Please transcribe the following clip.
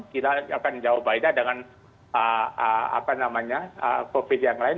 kita akan jauh beda dengan covid yang lain